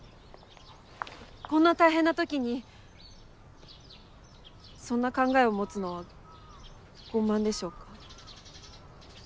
こんな大変な時にそんな考えを持つのは傲慢でしょうか？